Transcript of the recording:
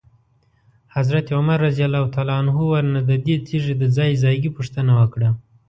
حضرت عمر رضی الله عنه ورنه ددې تیږي د ځای ځایګي پوښتنه وکړه.